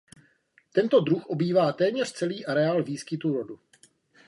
Tento druh obývá téměř celý areál výskytu rodu.